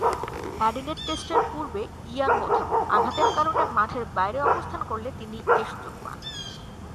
Adelaide টেস্টের পূর্বে Ian Botham আঘাতের কারণে মাঠের বাইরে অবস্থান করলে তিনি এ সুযোগ পান।